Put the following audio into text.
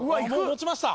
持ちました！